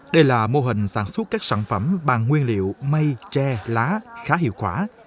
đây là mô hình sản xuất các sản phẩm bằng nguyên liệu mây tre lá khá hiệu quả